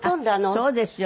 そうですよ。